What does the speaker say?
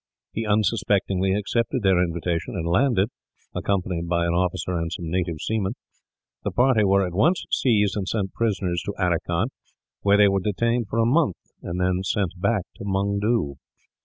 He unsuspectingly accepted their invitation and landed, accompanied by an officer and some native seamen. The party were at once seized and sent prisoners to Aracan, where they were detained for a month, and then sent back to Mungdoo.